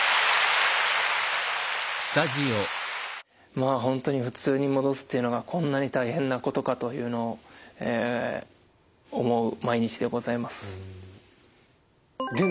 まあ本当に普通に戻すっていうのがこんなに大変なことかというのを思う毎日でございます。